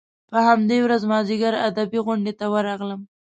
په همدې ورځ مازیګر ادبي غونډې ته ورغلم.